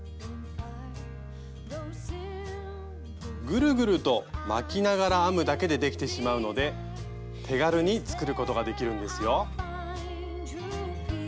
ぐるぐると巻きながら編むだけでできてしまうので手軽に作ることができるんですよ。